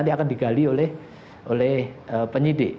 nanti akan digali oleh penyidik